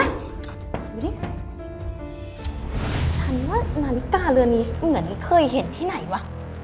ฉันว่านาฬิกาเรือนี้เหมือนเคยเห็นที่ไหนวะ